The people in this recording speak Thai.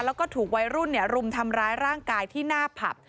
แล้วก็ถูกวัยรุ่นรุมทำร้ายร่างกายที่หน้าผับ